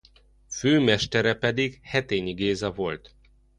Fő mestere pedig Hetényi Géza volt.